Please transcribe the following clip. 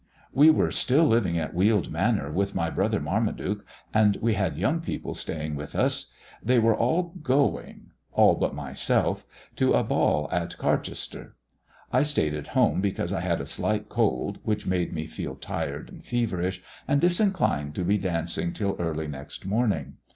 "We were still living at Weald Manor with my brother Marmaduke, and we had young people staying with us. They were all going all but myself to a ball at Carchester. I stayed at home because I had a slight cold, which made me feel tired and feverish, and disinclined to be dancing till early next morning.